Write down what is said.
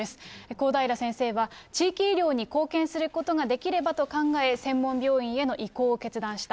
公平先生は、地域医療に貢献することができればと考え、専門病院への移行を決断した。